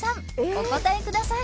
お答えください！